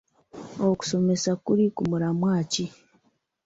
Okusomesa kuli ku mulamwa ki?